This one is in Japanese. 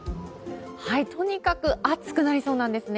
とにかく暑くなりそうなんですね。